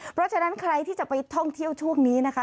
เพราะฉะนั้นใครที่จะไปท่องเที่ยวช่วงนี้นะคะ